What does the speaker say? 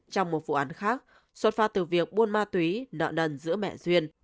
trong một vụ án khác xuất phát từ việc buôn ma túy nợ nần giữa mẹ duyên